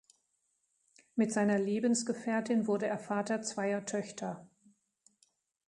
Mit seiner Lebensgefährtin wurde er Vater zweier Töchter.